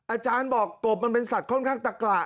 อาจารย์บอกกบมันเป็นสัตว์ค่อนข้างตะกระ